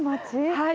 はい。